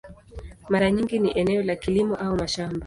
Mara nyingi ni eneo la kilimo au mashamba.